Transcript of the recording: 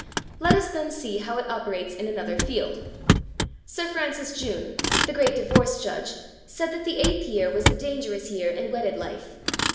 Let us, then, see how it operates in another field. Sir Francis Jeune, the great divorce judge, said that the eighth year was the dangerous year in wedded life.